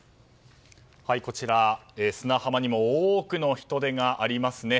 こちら、砂浜にも多くの人出がありますね。